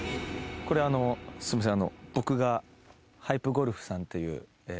これあのすいません